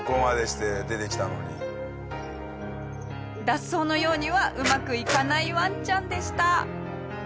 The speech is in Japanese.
下平：脱走のようにはうまくいかないワンちゃんでした。